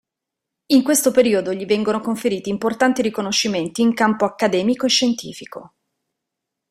In questo periodo gli vengono conferiti importanti riconoscimenti in campo accademico e scientifico.